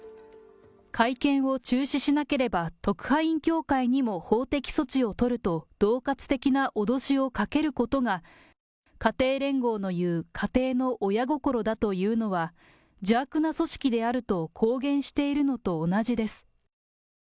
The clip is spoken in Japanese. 会見を中止しなければ、特派員協会にも法的措置を取るとどう喝的な脅しをかけることが、家庭連合のいう家庭の親心だというのは、邪悪な組織であると公言しているのと同じです。